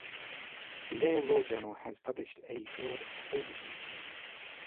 The "Yale Law Journal" has published a broad overview.